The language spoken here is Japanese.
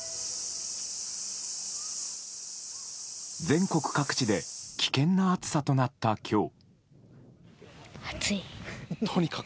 全国各地で危険な暑さとなった今日。